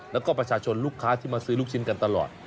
แล้วก็ประชาชนลูกค้าที่มาซื้อลูกชิ้นกันตลอด